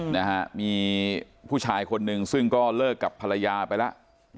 นะฮะมีผู้ชายคนหนึ่งซึ่งก็เลิกกับภรรยาไปแล้ว